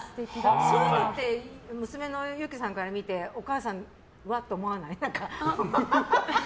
そういうのって娘の憂樹さんから見てお母さん、うわって思わない？